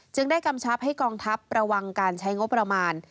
ได้กำชับให้กองทัพระวังการใช้งบประมาณ